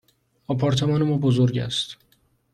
آپارتمان ما بزرگ است.